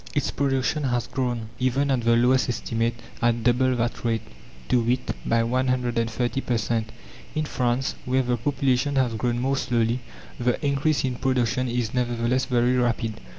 its production has grown, even at the lowest estimate, at double that rate to wit, by 130 per cent. In France, where the population has grown more slowly, the increase in production is nevertheless very rapid.